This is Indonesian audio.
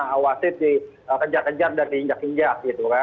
awasin dikejar kejar dan diinjak injak